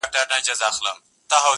سیاه پوسي ده، قندهار نه دی~